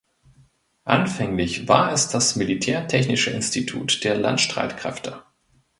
Anfänglich war es das militärtechnische Institut der Landstreitkräfte.